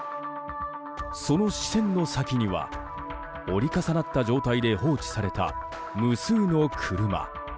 その視線の先には折り重なった状態で放置された無数の車。